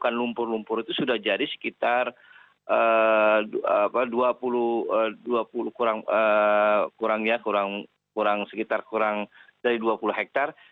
bukan lumpur lumpur itu sudah jadi sekitar dua puluh kurang ya sekitar kurang dari dua puluh hektare